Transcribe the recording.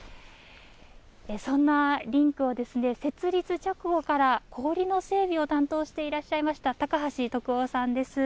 そんなリンクを設立直後から氷の整備を担当していらっしゃいました高橋篤男さんです。